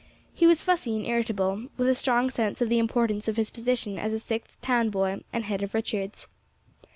He was fussy and irritable, with a strong sense of the importance of his position as a Sixth town boy and head of Richards'.